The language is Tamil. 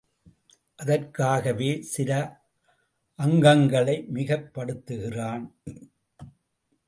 அதற்காகவே சில அங்கங்களை மிகைப்படுத்துகிறான்.